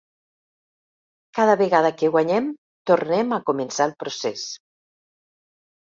Cada vegada que guanyem, tornem a començar el procés.